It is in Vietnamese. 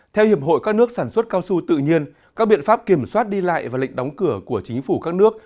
theo hiệp hội các nước sản xuất cao su tự nhiên các biện pháp kiểm soát đi lại và lệnh đóng cửa của chính phủ các nước